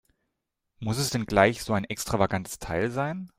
Muss es denn gleich so ein extravagantes Teil sein?